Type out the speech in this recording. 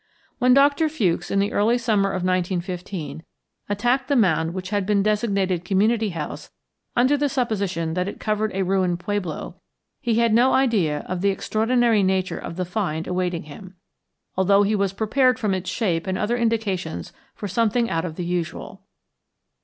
When Doctor Fewkes, in the early summer of 1915, attacked the mound which had been designated Community House under the supposition that it covered a ruined pueblo, he had no idea of the extraordinary nature of the find awaiting him, although he was prepared from its shape and other indications for something out of the usual.